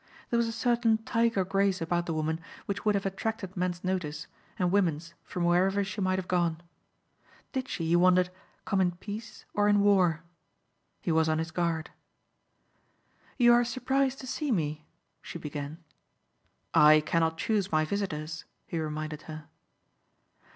There was a certain tiger grace about the woman which would have attracted men's notice and women's from wherever she might have gone. Did she, he wondered, come in peace or in war? He was on his guard. "You are surprised to see me?" she began. "I cannot choose my visitors," he reminded her.